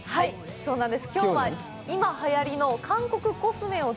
そうなんです。